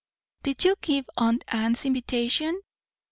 "Did you give aunt Anne's invitation?